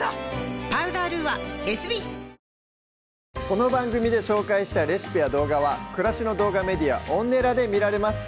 この番組で紹介したレシピや動画は暮らしの動画メディアＯｎｎｅｌａで見られます